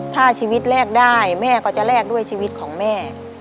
ถ้าชีวิตแรกได้แม่ก็จะแลกด้วยชีวิตของแม่